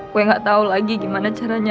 gue gak tau lagi gimana caranya